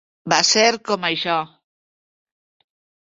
Va ser com això.